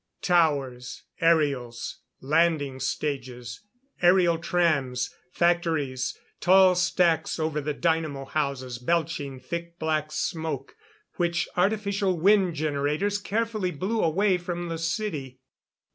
Towers, aerials, landing stages, aerial trams, factories, tall stacks over the dynamo houses belching thick black smoke, which artificial wind generators carefully blew away from the city.